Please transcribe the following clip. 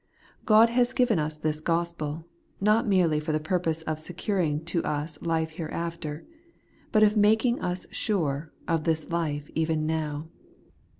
God has given us this gospel not merely for the purpose of securing to us life hereafter, but of making us sure of this life even now.